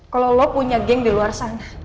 kalau lo punya geng di luar sana